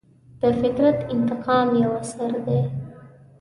د فطرت انتقام یو اثر دی.